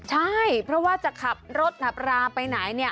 ใช่เพราะว่าจะขับรถราไปไหน